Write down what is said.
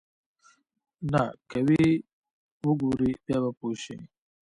نه که ويې وګورې بيا به پوى شې.